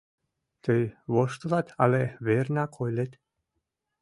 Тый воштылат але вернак ойлет?